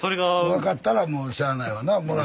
分かったらもうしゃあないわな。